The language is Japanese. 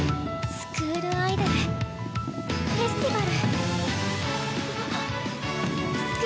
スクールアイドルフェスティバル！